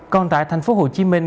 còn tại thành phố hồ chí minh